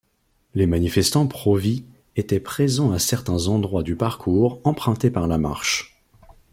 Les manifestants Pro-vie étaient présents à certains endroits du parcours emprunté par la marche.